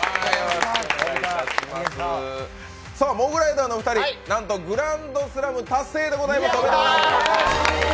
モグライダーのお二人、なんとグランドスラム達成でございます。